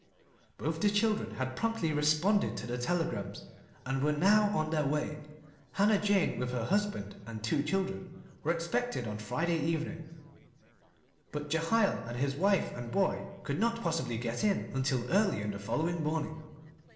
Both the children had promptly responded to the telegrams, and were now on their way. Hannah Jane, with her husband and two children, were expected on Friday evening; but Jehiel and his wife and boy could not possibly get in until early on the following morning.